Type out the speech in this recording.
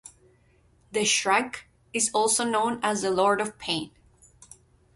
The Shrike is also known as the "Lord of Pain"